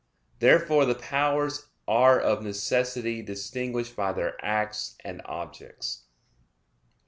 Therefore the powers are of necessity distinguished by their acts and objects.